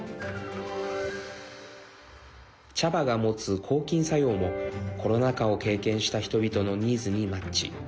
茶葉が持つ抗菌作用もコロナ禍を経験した人々のニーズにマッチ。